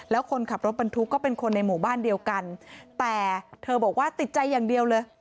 แล้วคนขับรถบรรทุกก็เป็นคนในหมู่บ้านเดียวกันแต่เธอบอกว่าติดใจอย่างเดียวเลย